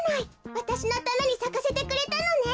わたしのためにさかせてくれたのね。